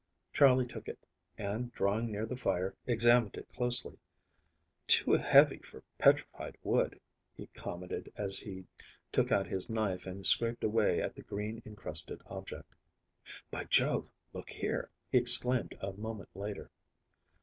Charley took it, and, drawing near the fire, examined it closely. "Too heavy for petrified wood," he commented, as he took out his knife and scraped away at the green encrusted object. "By Jove! Look here," he exclaimed a moment later.